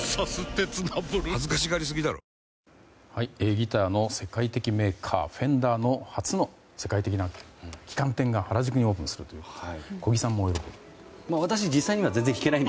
ギターの世界的メーカーフェンダーの初の世界的な旗艦店が原宿にオープンするということで。